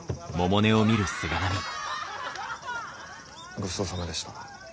ごちそうさまでした。